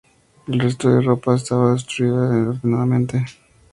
El resto de su ropa estaba distribuida ordenadamente.